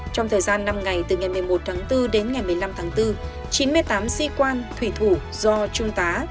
trong thời gian năm ngày từ ngày một mươi một tháng bốn đến ngày một mươi năm tháng bốn chín mươi tám sĩ quan thủy thủ do trung tá